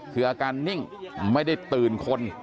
คืออาการนิ่งไม่ได้ตื่นคน